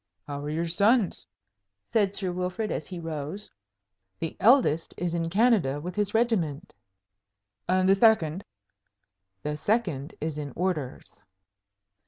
"How are your sons?" said Sir Wilfrid, as he rose. "The eldest is in Canada with his regiment." "And the second?" "The second is in orders."